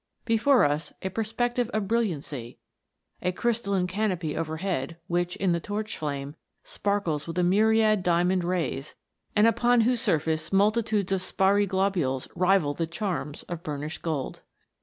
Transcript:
Before us, a perspective of brilliancy ; a crystal line canopy overhead, which, in the torch flame, sparkles with a myriad diamond rays, and upon whose surface multitudes of sparry globules rival the charms of burnished gold.